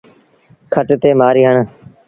کٽ تي مهآري هڻ۔